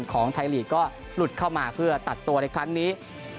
ของไทยลีกก็หลุดเข้ามาเพื่อตัดตัวในครั้งนี้